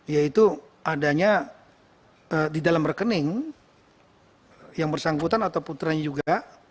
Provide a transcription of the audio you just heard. yaitu adanya di dalam rekening yang bersangkutan atau putranya juga